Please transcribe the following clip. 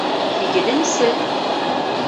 Һигеҙенсе